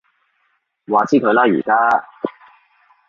話之佢啦而家